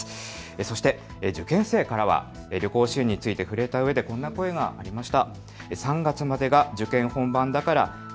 そして受験生からは旅行支援に触れたうえでこんな声がありました。